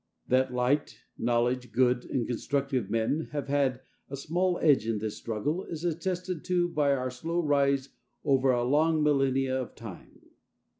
That light, knowledge, good, and constructive men have had a small edge in this struggle is attested to by our slow rise over the long millennia of time.